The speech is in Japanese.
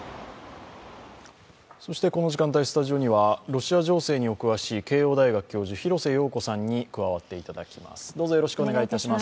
この時間帯、スタジオにはロシア情勢にお詳しい慶応大学教授、廣瀬陽子さんに加わっていただきます。